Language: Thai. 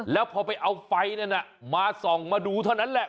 แล้วพอไปเอาไฟนั้นมาส่องมาดูเท่านั้นแหละ